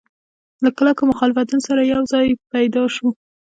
له کلکو مخالفتونو سره سره ځای پیدا شو.